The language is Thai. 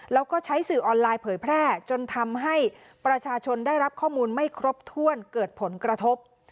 แล้วก็ใช้สื่อออนไลน์เผยแพร่จนทำให้ประชาชนได้รับข้อมูลไม่ครบถ้วนเกิดผลกระทบ